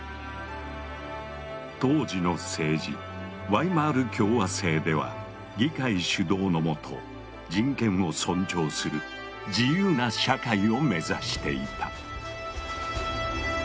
当時の政治・ワイマール共和政では議会主導のもと人権を尊重する自由な社会を目指していた。